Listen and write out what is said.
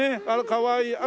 あらかわいい。